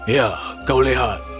ya kau lihat